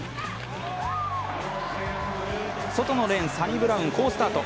外のレーン、サニブラウン好スタート。